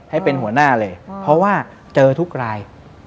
ให้เป็นหัวหน้าเลยเพราะว่าเจอทุกราย